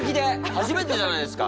初めてじゃないですか？